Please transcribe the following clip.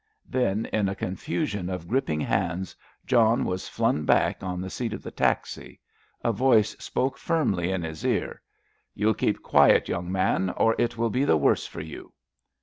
Then, in a confusion of gripping hands, John was flung back on the seat of the taxi; a voice spoke firmly in his ear: "You'll keep quiet, young man, or it will be the worse for you!"